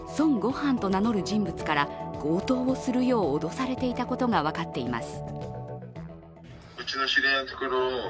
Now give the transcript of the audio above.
飯と名乗る人物から強盗をするよう脅されていたことが分かっています。